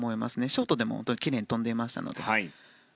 ショートでもきれいに跳んでいましたので。